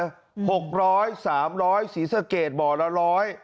๖๐๐บาท๓๐๐บาทศรีสเกตบ่อละ๑๐๐บาท